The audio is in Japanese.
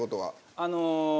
あの。